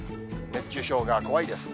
熱中症が怖いです。